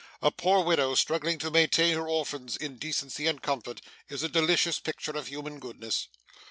A poor widow struggling to maintain her orphans in decency and comfort, is a delicious picture of human goodness.